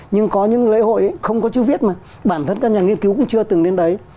nhưng có những lễ hội không có chữ viết mà bản thân các nhà nghiên cứu cũng chưa từng đến đấy